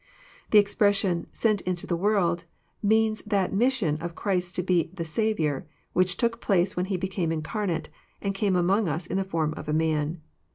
The expression, '' sent into the world," means that mission of Christ*s to be the Saviour, which took place when he became incarnate, and came among us in the form of a man.